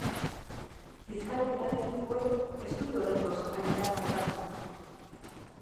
Fiskalek eta teknikoek ez dute oraingoz haien lana bukatu.